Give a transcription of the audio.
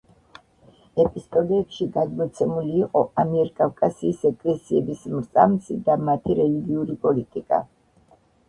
ეპისტოლეებში გადმოცემული იყო ამიერკავკასიის ეკლესიების მრწამსი და მათი რელიგიური პოლიტიკა.